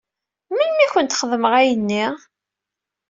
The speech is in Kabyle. Melmi i kent-xedmeɣ ayenni?